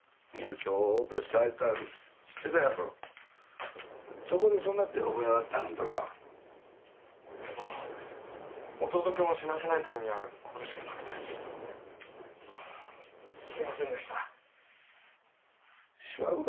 今日オペ室空いてたの知ってたんやろどこでそんな手覚えはったんおんどらでも弟君を死なせないためにはこれしかなくてすいませんでしたしばくど